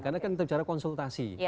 karena kan itu secara konsultasi